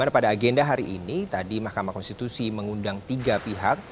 pada hari ini tadi mahkamah konstitusi mengundang tiga pihak